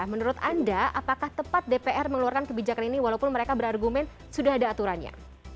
menurut anda apakah tepat dpr mengeluarkan kebijakan ini walaupun mereka berargumen sudah ada aturannya